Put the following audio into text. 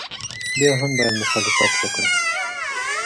بیا هم باید مخالفت وکړم.